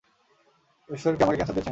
ঈশ্বর কি আমাকে ক্যান্সার দিয়েছেন?